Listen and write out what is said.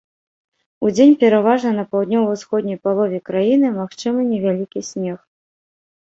Удзень пераважна на паўднёва-ўсходняй палове краіны магчымы невялікі снег.